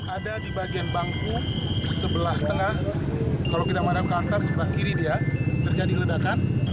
ada di bagian bangku sebelah tengah kalau kita mengharapkan sebelah kiri dia terjadi ledakan